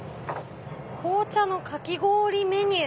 「紅茶のかき氷メニュー」。